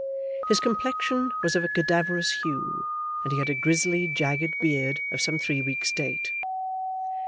His complexion was of a cadaverous hue, and he had a grizzly jagged beard of some three weeks' date.